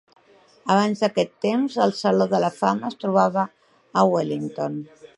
Abans d'aquest temps, el Saló de la Fama es trobava a Wellington.